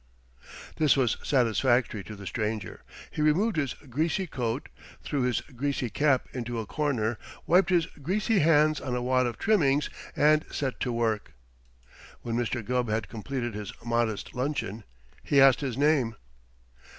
This was satisfactory to the stranger. He removed his greasy coat, threw his greasy cap into a corner, wiped his greasy hands on a wad of trimmings and set to work. When Mr. Gubb had completed his modest luncheon he asked his name.